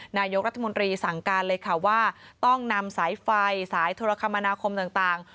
นายกรัฐมนตรีสั่งการเลยค่ะว่าต้องนำสายไฟสายโทรคมนาคมต่าง